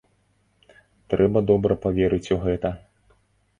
Трэба добра паверыць у гэта.